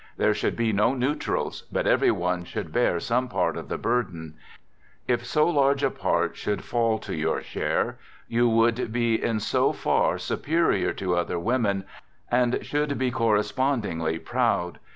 There should be no neutrals but every one I should bear some part of the burden. If so large a \ part should fall to your share, you would be in so j far superior to other women and should be corre i spondingly proud.